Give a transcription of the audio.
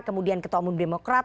kemudian ketua umum demokrat